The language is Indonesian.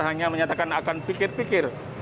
hanya menyatakan akan pikir pikir